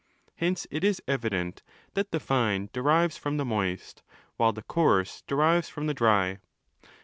Hence it is evident that the fine derives from the moist, while the coarse derives from the dry.